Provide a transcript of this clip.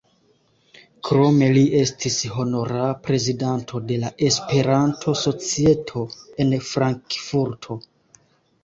Krome li estis honora prezidanto de la Esperanto-Societo en Frankfurto.